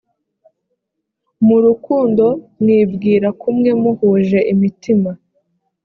mu rukundo mwibwira kumwe muhuje imitima